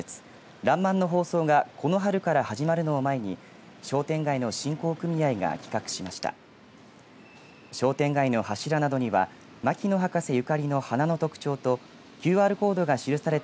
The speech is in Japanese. らんまんの放送がこの春から始まるのを前に商店街の振興組合が企画しました。